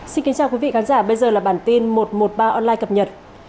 xin kính chào quý vị khán giả bây giờ là bản tin một trăm một mươi ba online cập nhật